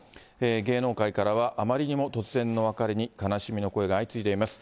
芸能界からは、あまりにも突然の別れに悲しみの声が相次いでいます。